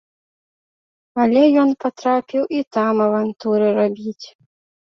Але ён патрапіў і там авантуры рабіць.